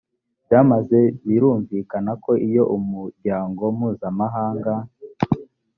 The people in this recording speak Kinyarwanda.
byamaze birumvikana ko iyo umuryango mpuzamahanga